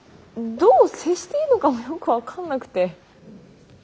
どう接していいのかもよく分かんなくて。